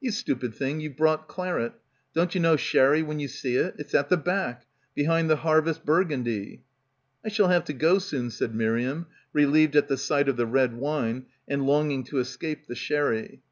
"You stupid thing, you've brought claret. Don't you know sherry when you see it? It's at the back — behind the Harvest Burgundy." "I shall have to go soon," said Miriam, relieved at the sight of the red wine and longing to escape the sherry.